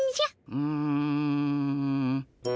うん。